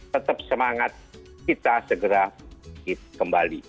tetap semangat kita segera kembali